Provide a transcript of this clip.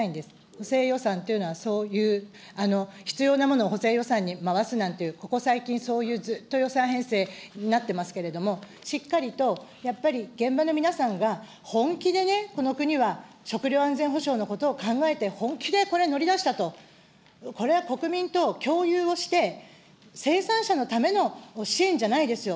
補正予算というのはそういう必要なものを補正予算に回すなんて、ここ最近、そういう、ずっと予算編成になってますけれども、しっかりと、やっぱり現場の皆さんが本気でね、この国は食料安全保障のことを考えて、本気でこれ、乗り出したと、これは国民と共有をして、生産者のための支援じゃないですよ。